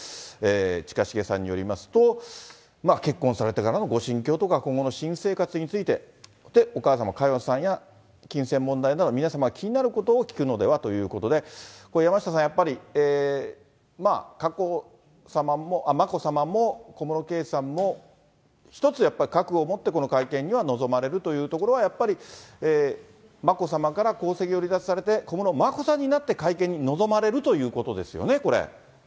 近重さんによりますと、結婚されてからのご心境とか、今後の新生活について、お母様、佳代さんや金銭問題など、皆様が気になることを聞くのではということで、山下さん、やっぱり眞子さまも小室圭さんも、一つやっぱり、覚悟を持ってこの会見には臨まれるというところは、やっぱり眞子さまから皇籍を離脱されて、小室眞子さんになって会見に臨まれるということですよね、これ。